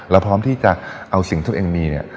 แล้วพร้อมที่จะเอาสิ่งทุกอย่างมี